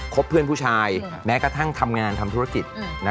บเพื่อนผู้ชายแม้กระทั่งทำงานทำธุรกิจ